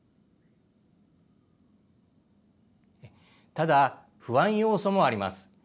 ただ、不安要素もあります。